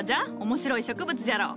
面白い植物じゃろ。